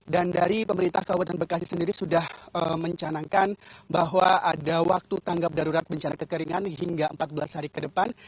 dari pemerintah kabupaten bekasi sendiri sudah mencanangkan bahwa ada waktu tanggap darurat bencana kekeringan hingga empat belas hari ke depan